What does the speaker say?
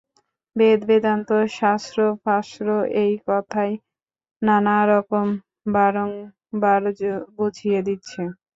বেদ-বেদান্ত শাস্ত্র-ফাস্ত্র এই কথাই নানা রকমে বারংবার বুঝিয়ে দিচ্ছে।